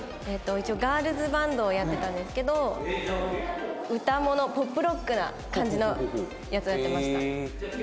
えっと一応ガールズバンドをやってたんですけど歌ものポップロックな感じのやつをやってました。